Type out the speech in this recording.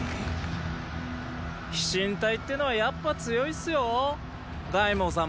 飛信隊ってのはやっぱ強いっスよー凱孟様。